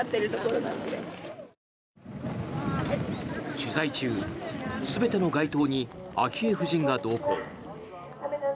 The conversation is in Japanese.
取材中、全ての街頭に昭恵夫人が同行。